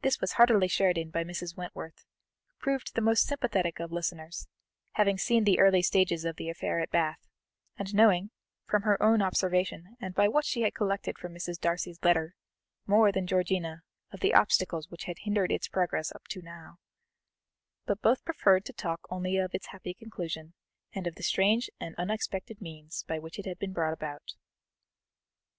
This was heartily shared in by Mrs. Wentworth, who proved the most sympathetic of listeners, having seen the early stages of the affair at Bath, and knowing, from her own observation and by what she had collected from Mrs. Darcy's letter, more than Georgiana of the obstacles which had hindered its progress up to now; but both preferred to talk only of its happy conclusion, and of the strange and unexpected means by which it had been brought about.